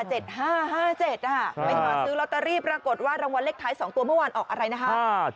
ไปหาซื้อลอตเตอรี่ปรากฏว่ารางวัลเลขท้าย๒ตัวเมื่อวานออกอะไรนะคะ